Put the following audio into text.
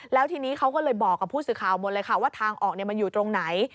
แล้วทีนี้เขาก็เลยบอกกับผู้สื่อข่าวหมดเลยค่ะว่าทางออกมันอยู่ตรงไหน